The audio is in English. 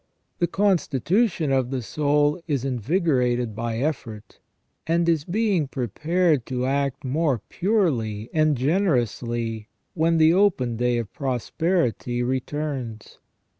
The constitution of the soul is invigorated by effort, and is being prepared to act more purely and generously when the open day of prosperity returns.